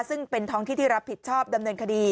ซึ่งเป็นท้องที่ที่รับผิดชอบดำเนินคดี